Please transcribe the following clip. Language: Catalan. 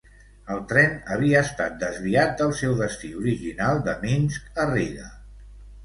El tren havia estat desviat del seu destí original de Minsk a Riga.